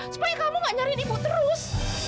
supaya kamu nggak nyari ibu terus